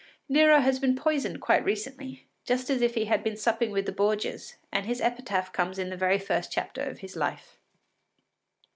Nero has been poisoned quite recently, just as if he had been supping with the Borgias, and his epitaph comes in the very first chapter of his life.)